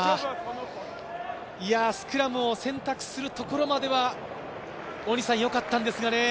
スクラムを選択するところまでは、よかったんですがね。